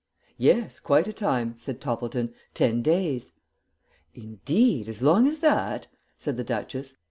"Yes, quite a time," said Toppleton. "Ten days." "Indeed. As long as that?" said the Duchess.